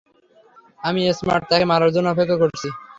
আমি স্মার্ট তাকে মারার জন্য অপেক্ষা করছি।